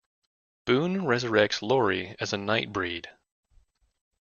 Boone resurrects Lori as a Nightbreed.